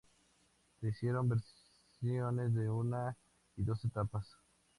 Se hicieron versiones de una y dos etapas.